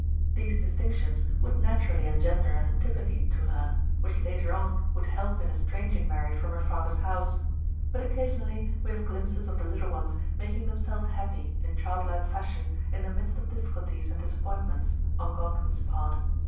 These distinctions would naturally engender an antipathy to her, which later on would help in estranging Mary from her father's house; but occa sionally we have glimpses of the little ones making themselves happy, in childlike fashion, in the midst of difficulties and disappointments on Godwin's part.